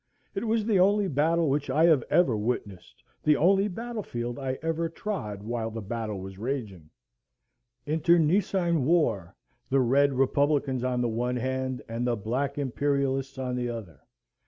It was the only battle which I have ever witnessed, the only battle field I ever trod while the battle was raging; internecine war; the red republicans on the one hand, and the black imperialists on the other.